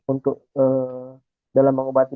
untuk dalam mengobati